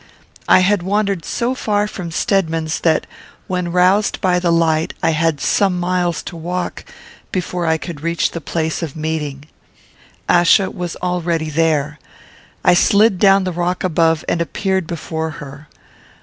I had wandered so far from Stedman's, that, when roused by the light, I had some miles to walk before I could reach the place of meeting. Achsa was already there. I slid down the rock above, and appeared before her.